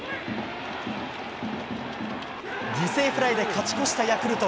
犠牲フライで勝ち越したヤクルト。